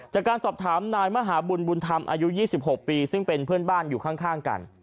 จากการสอบถามนายมหาบุญบุญธรรมอายุ๒๖ปีซึ่งเป็นเพื่อนบ้านอยู่ข้างกัน